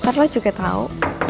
ntar lo juga tau